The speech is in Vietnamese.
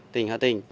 tỉnh hà tỉnh